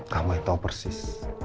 kamu yang tahu persis